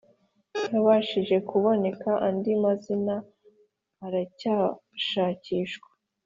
yabashije kuboneka andi mazina aracyashakishwa